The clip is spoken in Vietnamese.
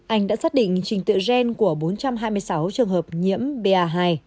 anh đã xác định trình tựa gen của bốn trăm hai mươi sáu trường hợp nhiễm ba hai